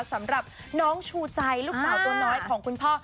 สำหรับน้องชูใจลูกสาวตัวน้อยของคุณพ่อ